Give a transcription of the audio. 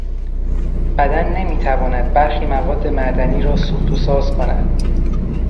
بدن نمی تواند برخی مواد معدنی را سوخت و ساز کند.